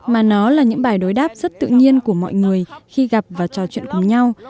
mà nó là những bài đối đáp rất tự nhiên của mọi người khi gặp và trò chuyện cùng nhau